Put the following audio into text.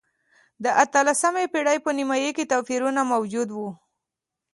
د اتلسمې پېړۍ په نییمایي کې توپیرونه موجود و.